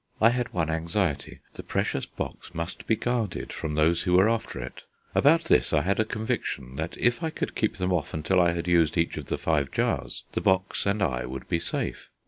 I had one anxiety. The precious box must be guarded from those who were after it. About this I had a conviction, that if I could keep them off until I had used each of the five jars, the box and I would be safe.